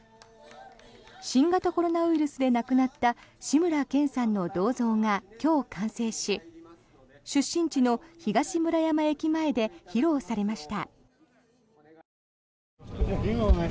新型コロナウイルスで亡くなった志村けんさんの銅像が今日完成し出身地の東村山駅前で披露されました。